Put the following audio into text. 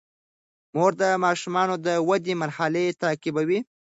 مور د ماشومانو د ودې مرحلې تعقیبوي.